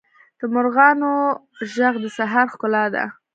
د مرغانو ږغ د سهار ښکلا ده.